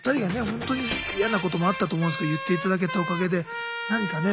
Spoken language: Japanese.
ほんとに嫌なこともあったと思うんですけど言って頂けたおかげで何かね。